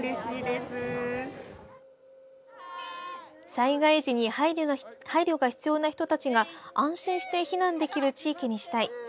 災害時に配慮が必要な人たちが安心して避難できる地域にしたい。